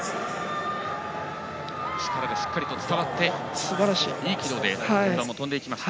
力がしっかりと伝わっていい軌道で円盤が飛んでいきました。